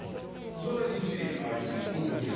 それは一理ありますね。